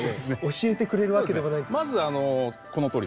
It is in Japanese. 教えてくれるわけでもないという。